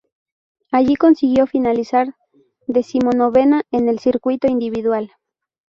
Allí consiguió finalizar decimonovena en el circuito individual.